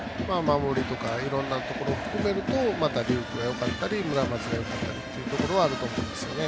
いろんなところを含めると龍空がよかったり村松がよかったりってところはあると思うんですよね。